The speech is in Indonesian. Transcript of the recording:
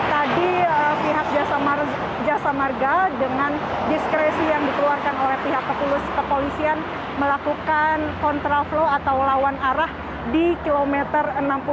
tadi pihak jasa marga dengan diskresi yang dikeluarkan oleh pihak kepolisian melakukan kontraflow atau lawan arah di kilometer enam puluh tujuh